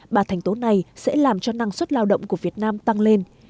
ba thành tố này sẽ làm cho năng suất lao động của việt nam tăng lên